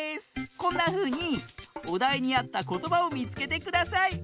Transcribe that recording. こんなふうにおだいにあったことばをみつけてください！